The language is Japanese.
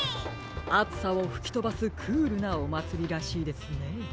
あつさをふきとばすクールなおまつりらしいですね。